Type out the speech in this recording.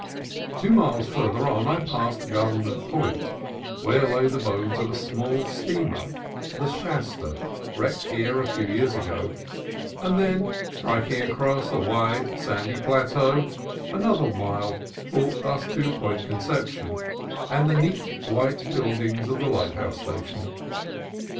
Two miles farther on I passed Government Point, where lay the bones of a small steamer, the Shasta, wrecked here a few years ago; and then, striking across a wide, sandy plateau, another mile brought us to Point Conception and the neat white buildings of the lighthouse station.